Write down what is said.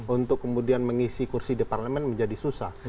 untuk kemudian mengisi kursi di parlemen menjadi susah